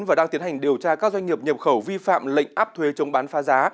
và đang tiến hành điều tra các doanh nghiệp nhập khẩu vi phạm lệnh áp thuế chống bán phá giá